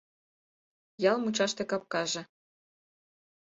Ял мучаште капкаже